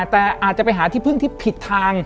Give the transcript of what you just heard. แต่อาจจะไปหาที่พึ่งที่ผิดทาง